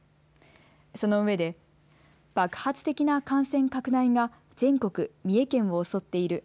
そのうえで爆発的な感染拡大が全国、三重県を襲っている。